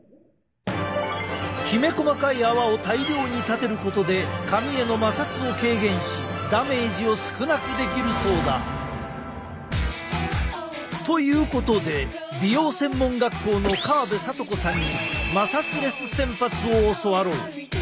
きめ細かい泡を大量に立てることで髪への摩擦を軽減しダメージを少なくできるそうだ！ということで美容専門学校の川邊賢子さんに摩擦レス洗髪を教わろう！